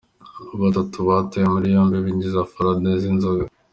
Batatu batawe muri yombi binjiza forode z’inzoga